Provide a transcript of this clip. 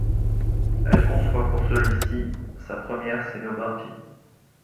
Elle conçoit pour celui-ci, sa première scénographie.